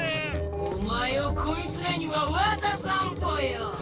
おまえをこいつらにはわたさんぽよ！